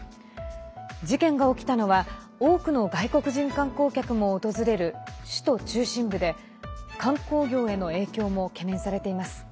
事件が起きたのは多くの外国人観光客も訪れる首都中心部で観光業への影響も懸念されています。